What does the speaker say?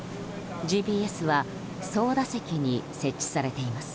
ＧＰＳは操舵席に設置されています。